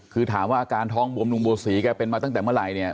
คือถามว่าอาการท้องบวมลุงบัวศรีแกเป็นมาตั้งแต่เมื่อไหร่เนี่ย